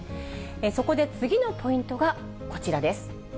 そこで次のポイントがこちらです。